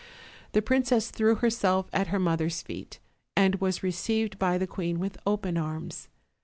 The princess threw herself at her mother's feet, and was received by the queen with open arms.